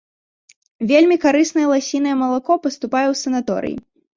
Вельмі карыснае ласінае малако паступае ў санаторыі.